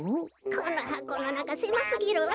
このはこのなかせますぎるわべ。